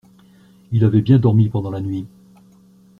Il avait bien dormi pendant la nuit.